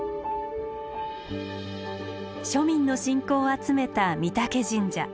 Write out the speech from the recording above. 庶民の信仰を集めた御嶽神社。